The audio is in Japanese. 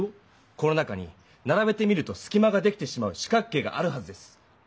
この中にならべてみるとすきまができてしまう四角形があるはずです。